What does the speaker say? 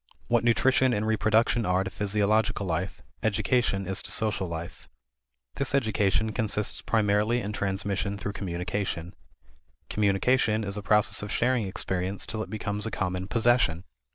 What nutrition and reproduction are to physiological life, education is to social life. This education consists primarily in transmission through communication. Communication is a process of sharing experience till it becomes a common possession.